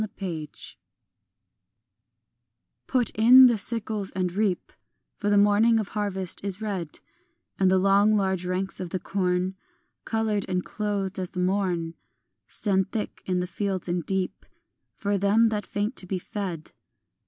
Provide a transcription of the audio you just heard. MESSIDOR PUT in the sickles and reap; For the morning of harvest is red, And the long large ranks of the corn Coloured and clothed as the morn Stand thick in the fields and deep For them that faint to be fed.